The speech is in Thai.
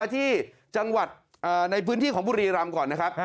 ที่จังหวัดในพื้นที่ของบุรีรำก่อนนะครับ